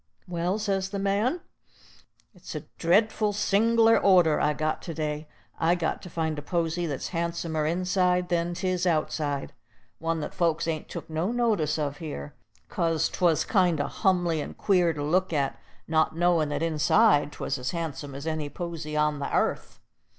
"Well," says the man, "it's a dreadful sing'lar order I've got to day. I got to find a posy that's handsomer inside than 'tis outside, one that folks ain't took no notice of here, 'cause 'twas kind o' humly and queer to look at, not knowin' that inside 'twas as handsome as any posy on the airth.